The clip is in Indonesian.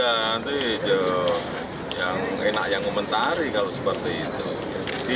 nanti itu yang enak yang mentari kalau seperti itu